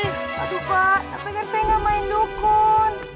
aduh pak pengen pengen main dukun